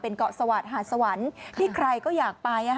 เป็นเกาะสวรรค์หาสวรรค์ที่ใครก็อยากไป